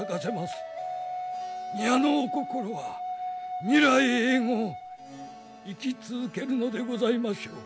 宮のお心は未来永ごう生き続けるのでございましょう。